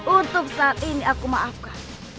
untuk saat ini aku maafkan